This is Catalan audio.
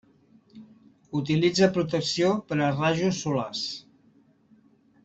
Utilitza protecció per a rajos solars.